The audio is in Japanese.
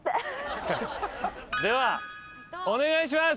ではお願いします！